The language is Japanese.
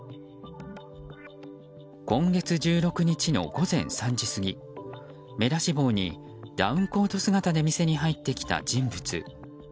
今月１６日の午前３時過ぎ目出し帽にダウンコート姿で店に入ってきた人物。